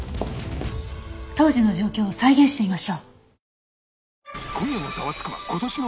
当時の状況を再現してみましょう。